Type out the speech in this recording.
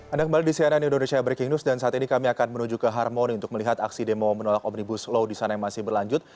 anda kembali di cnn indonesia breaking news dan saat ini kami akan menuju ke harmoni untuk melihat aksi demo menolak omnibus law di sana yang masih berlanjut